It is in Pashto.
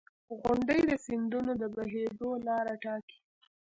• غونډۍ د سیندونو د بهېدو لاره ټاکي.